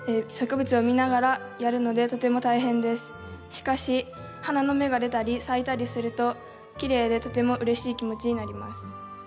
しかし花の芽が出たり咲いたりするときれいでとてもうれしい気持ちになります。